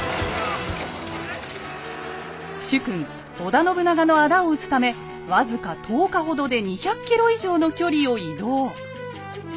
主君織田信長の仇を討つため僅か１０日ほどで２００ｋｍ以上の距離を移動。